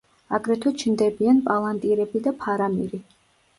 აგრეთვე ჩნდებიან პალანტირები და ფარამირი.